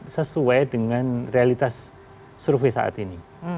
sesuai dengan realitas survei saat ini